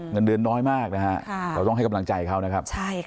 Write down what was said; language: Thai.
เงินเดือนน้อยมากเราต้องให้กำลังใจเขา